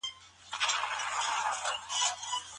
ایا دا ممکنه ده چې یوه ورځ خیر محمد هم موټر ولري؟